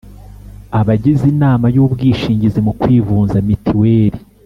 Abagize inama y ubwishingizi mu kwivuza mitiweli